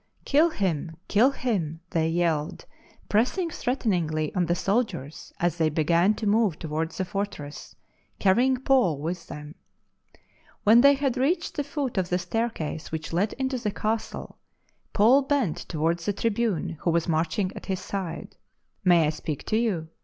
" Kill him ! kill him !" thej/ yelled, pressing threateningly on the soldiers as they began to move towards the fortress, carrying Paul with them. When they had reached the foot of the staircase which led into the castle, Paul bent towards the tribune who was marching at his " May I .speak to you